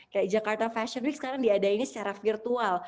kayak jakarta fashion week sekarang diadain secara virtual